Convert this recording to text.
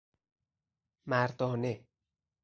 مردانه